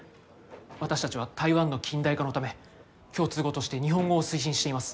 私たちは台湾の近代化のため共通語として日本語を推進しています。